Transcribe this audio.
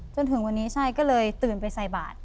จนถึงวันนี้ใช่ก็เลยตื่นไปใส่บาท